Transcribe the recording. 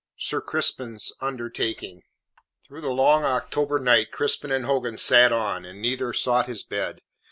SIR CRISPIN'S UNDERTAKING Through the long October night Crispin and Hogan sat on, and neither sought his bed.